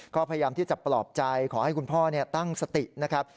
ก็พยายามที่จะปลอบใจขอให้คุณพ่อตั้งสตินะครับ